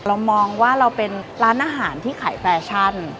เรามองว่าเราเป็นร้านอาหารที่ขายแฟชั่น